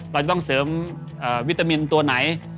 เราจะต้องเสริมวิตามินตัวไหน